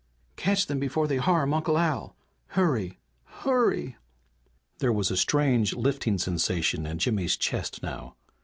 "Catch them before they harm Uncle Al! Hurry! Hurry!" There was a strange lifting sensation in Jimmy's chest now.